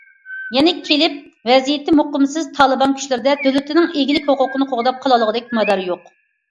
يەنى كېلىپ ۋەزىيىتى مۇقىمسىز، تالىبان كۈچلىرىدە دۆلىتىنىڭ ئىگىلىك ھوقۇقىنى قوغداپ قالالىغۇدەك مادار يوق.